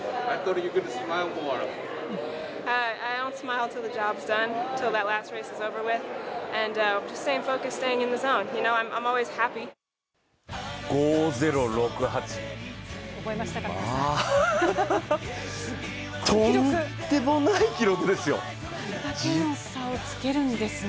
とんでもない記録ですよ。